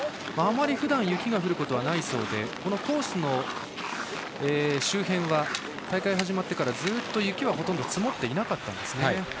あまりふだんは雪が降ることはないそうでこのコースの周辺は大会が始まってからずっと雪はほとんど積もっていなかったんです。